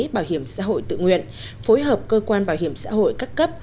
bảo hiểm xã hội tự nguyện phối hợp cơ quan bảo hiểm xã hội các cấp